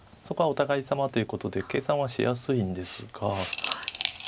そこはお互いさまということで計算はしやすいんですが。